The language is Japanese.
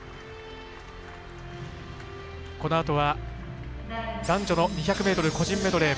このあとは、男女の２００ｍ個人メドレー。